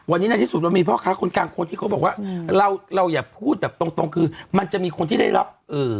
วันนี้ในที่สุดเรามีพ่อค้าคนกลางคนที่เขาบอกว่าเราเราอย่าพูดแบบตรงตรงคือมันจะมีคนที่ได้รับเอ่อ